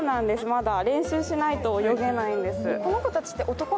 練習しないと泳げないんです。